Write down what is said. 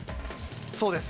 そうです。